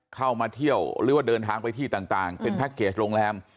เข้ามาเที่ยวหรือว่าเดินทางไปที่ต่างเป็นแพ็คเกจโรงแรม